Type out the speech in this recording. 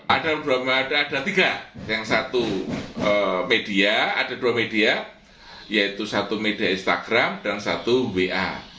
ada tiga yang satu media ada dua media yaitu satu media instagram dan satu wa